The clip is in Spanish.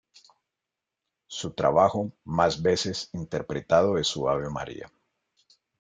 Su trabajo más veces interpretado es su Ave Maria.